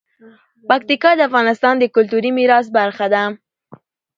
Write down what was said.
پکتیکا د افغانستان د کلتوري میراث برخه ده.